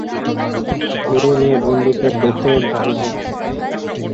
গুঁড়ো নিয়ে বন্দুকের ভেতর ঢালবে।